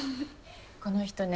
この人ね